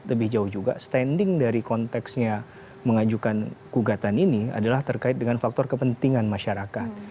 lebih jauh juga standing dari konteksnya mengajukan gugatan ini adalah terkait dengan faktor kepentingan masyarakat